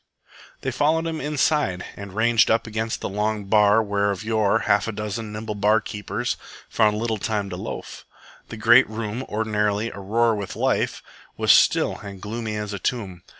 They followed him inside and ranged up against the long bar where of yore a half dozen nimble bar keepers found little time to loaf. The great room, ordinarily aroar with life, was still and gloomy as a tomb.